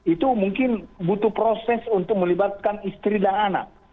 itu mungkin butuh proses untuk melibatkan istri dan anak